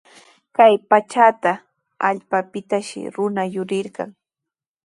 Kay pachatraw allpapitashi runa yurirqan.